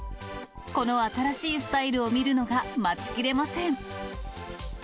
この新しいスタイルを見るのが待ちきれません！